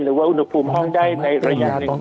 หรือว่าอุณหภูมิห้องได้ในระยะหนึ่ง